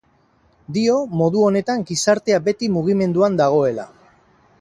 Dio modu honetan gizartea beti mugimenduan dagoela.